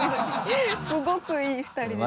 すごくいい２人でした。